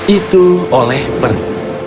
itu oleh peri